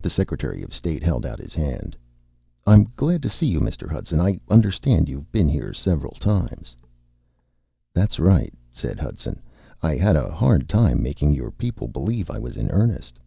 The secretary of state held out his hand. "I'm glad to see you, Mr. Hudson. I understand you've been here several times." "That's right," said Hudson. "I had a hard time making your people believe I was in earnest."